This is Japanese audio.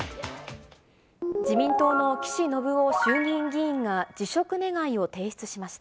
自民党の岸信夫衆議院議員が辞職願を提出しました。